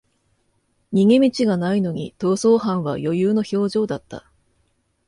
逃げ道がないのに逃走犯は余裕の表情だった